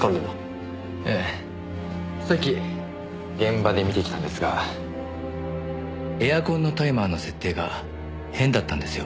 さっき現場で見てきたんですがエアコンのタイマーの設定が変だったんですよ。